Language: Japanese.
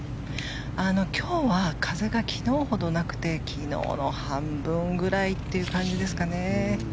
今日は風が昨日ほどなくて昨日の半分ぐらいといった感じですかね。